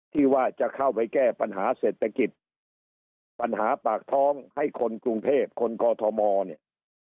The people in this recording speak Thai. ที่ว่าจะเข้าไปแก้ปัญหาเศรษฐกิจแก้ปัญหาปากท้องให้คนกรุงเทพคนกอทมเนี่ย